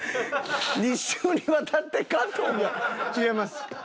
２週にわたって加藤が。違います。